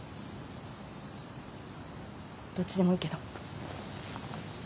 どっちでもいいけど。